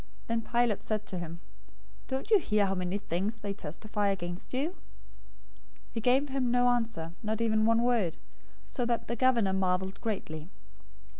027:013 Then Pilate said to him, "Don't you hear how many things they testify against you?" 027:014 He gave him no answer, not even one word, so that the governor marveled greatly.